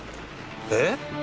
えっ？